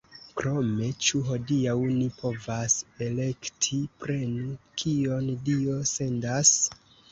Krome, ĉu hodiaŭ ni povas elekti: prenu, kion Dio sendas!